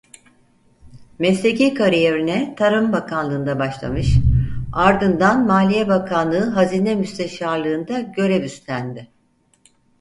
Mesleki kariyerine tarım bakanlığında başlamış ardından maliye bakanlığı hazine müsteşarlığında görev üstlendi.